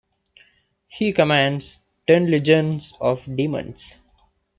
He commands ten legions of demons.